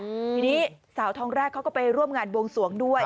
ทีนี้สาวทองแรกเขาก็ไปร่วมงานบวงสวงด้วย